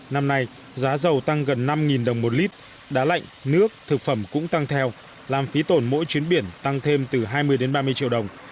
năm nay giá dầu tăng gần năm đồng một lít đá lạnh nước thực phẩm cũng tăng theo làm phí tổn mỗi chuyến biển tăng thêm từ hai mươi đến ba mươi triệu đồng